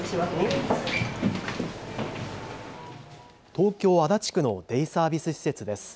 東京足立区のデイサービス施設です。